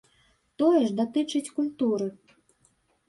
Тое ж датычыць культуры.